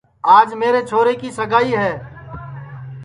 آج میرے چھورے کی سگائی ہے